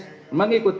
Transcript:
sama nasdem gitu pak